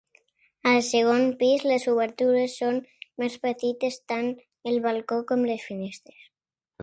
Al segon pis les obertures són més petites, tant el balcó com les finestres.